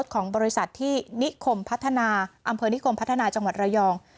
ของบริษัทที่นิคมพัฒนาอำเภอนิคมพัฒนาจังหวัดระยอง